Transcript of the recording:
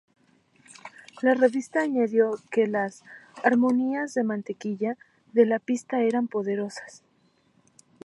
La revista añadió que las "armonías de mantequilla" de la pista eran poderosas.